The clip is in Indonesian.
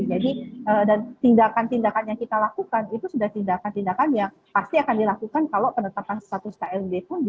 jadi dan tindakan tindakan yang kita lakukan itu sudah tindakan tindakan yang pasti akan dilakukan kalau penetapan status klb pun dilakukan